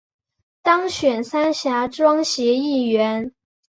当选三峡庄协议员